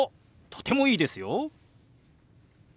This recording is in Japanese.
とてもいいですよ。